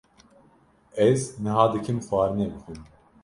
Ez niha dikim xwarinê bixwim.